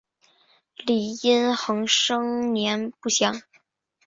李殷衡生年不详。